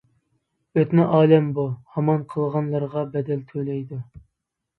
ئۆتنە ئالەم بۇ، ھامان قىلغانلىرىغا بەدەل تۆلەيدۇ.